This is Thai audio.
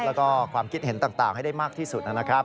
แล้วก็ความคิดเห็นต่างให้ได้มากที่สุดนะครับ